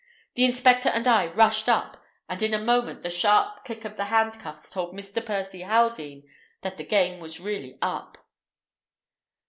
The inspector and I rushed up, and in a moment the sharp click of the handcuffs told Mr. Percy Haldean that the game was really up.